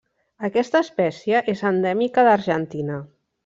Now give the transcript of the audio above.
Aquesta espècie és endèmica d'Argentina.